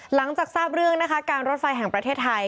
หลังจากทราบเรื่องนะคะการรถไฟแห่งประเทศไทย